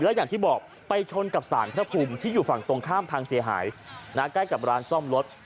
อย่างที่บอกไปชนกับสารพระภูมิที่อยู่ฝั่งตรงข้ามพังเสียหายใกล้กับร้านซ่อมรถ